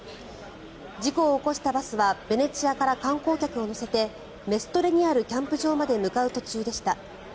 事故を起こしたバスはベネチアから観光客を乗せてメストレにあるキャンプ場まで向かう途中でした。